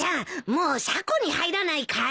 もう車庫に入らないかい？